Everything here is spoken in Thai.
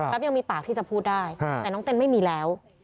ยังมีปากที่จะพูดได้แต่น้องเต้นไม่มีแล้ว